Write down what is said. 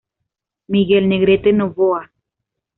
Miguel Negrete Novoa.